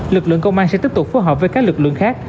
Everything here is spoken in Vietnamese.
lực lượng công an sẽ tiếp tục phối hợp với các lực lượng khác